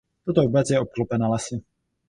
Tato obec je obklopena lesy.